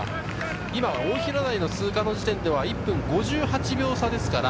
大平台の通過の時点では１分５８秒差です。